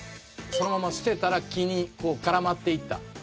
そのまま捨てたら木に絡まっていった。